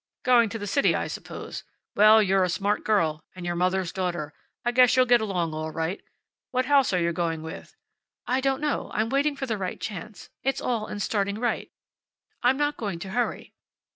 "Going to the city, I suppose. Well you're a smart girl. And your mother's daughter. I guess you'll get along all right. What house are you going with?" "I don't know. I'm waiting for the right chance. It's all in starting right. I'm not going to hurry."